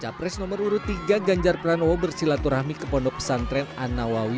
capres nomor urut tiga ganjar pranowo bersilaturahmi ke pondok pesantren anawawi